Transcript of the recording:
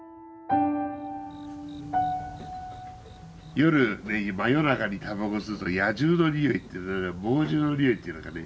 夜真夜中にタバコ吸うと野獣の匂いっていうのか猛獣の匂いっていうのかね。